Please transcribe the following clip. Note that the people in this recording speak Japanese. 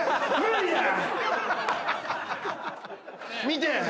見て。